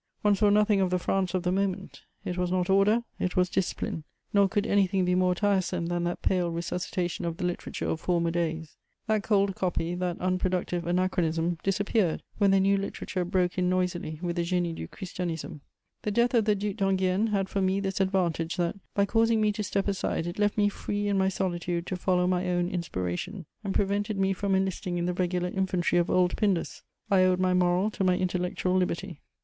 One saw nothing of the France of the moment; it was not order, it was discipline. Nor could anything be more tiresome than that pale resuscitation of the literature of former days. That cold copy, that unproductive anachronism, disappeared when the new literature broke in noisily with the Génie du Christianisme. The death of the Duc d'Enghien had for me this advantage that, by causing me to step aside, it left me free in my solitude to follow my own inspiration, and prevented me from enlisting in the regular infantry of old Pindus: I owed my moral to my intellectual liberty.